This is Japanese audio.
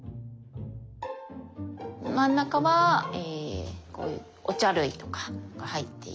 真ん中はこういうお茶類とかが入っていて。